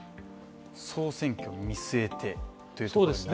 総選挙も見据えてというそうですね